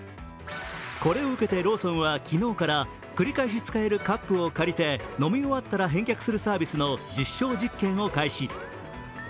これを受けてローソンは昨日から繰り返し使えるカップを借りて、飲み終わったら返却するサービスの実証実験を開始。